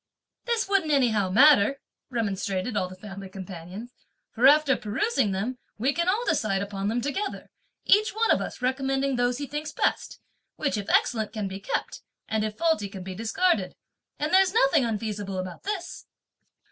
"This wouldn't anyhow matter," remonstrated all the family companions, "for after perusing them we can all decide upon them together, each one of us recommending those he thinks best; which if excellent can be kept, and if faulty can be discarded; and there's nothing unfeasible about this!"